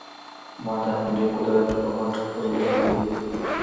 ما د همدې قدرت پر مټ خپل زوی وليد.